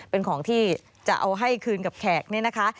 เป็นของที่จะเอาให้คืนกับแขกนี่นะคะ